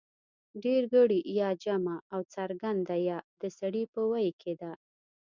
ډېرگړې يا جمع او څرگنده يا د سړي په ویي کې ده